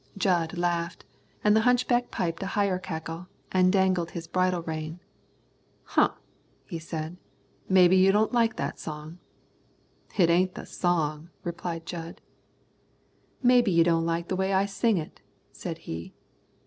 Jud laughed, and the hunchback piped a higher cackle and dangled his bridle rein. "Humph," he said, "maybe you don't like that song." "It ain't the song," replied Jud. "Maybe you don't like the way I sing it," said he.